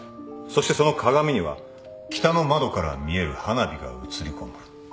そしてその鏡には北の窓から見える花火が映りこむ。